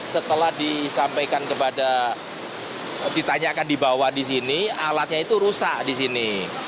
setelah ditanyakan di bawah di sini alatnya itu rusak di sini